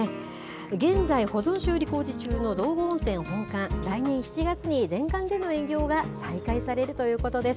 現在、保存修理工事中の道後温泉本館、来年７月に全館での営業が再開されるということです。